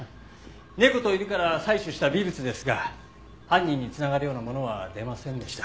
猫と犬から採取した微物ですが犯人に繋がるようなものは出ませんでした。